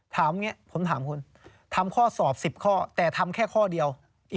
อย่างนี้ผมถามคุณทำข้อสอบ๑๐ข้อแต่ทำแค่ข้อเดียว